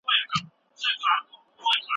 تاسي باید د خپل عزت دپاره هوښیار سئ.